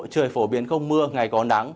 trời phổ biến không mưa ngày có nắng